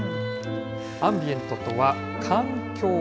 アンビエントとは、環境。